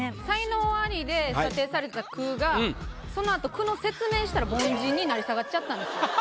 才能アリで査定された句がそのあと句の説明したら凡人に成り下がっちゃったんですよ。